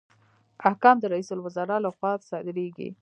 احکام د رئیس الوزرا لخوا صادریږي